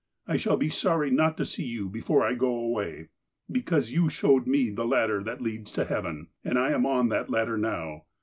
I shall be sorry not to see you before I go awav be cause you showed me the ladder that leads to heaven, and I am on that ladder now.